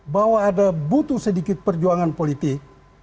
bahwa ada butuh sedikit perjuangan politik